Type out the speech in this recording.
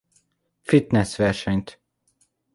Fitness versenyt.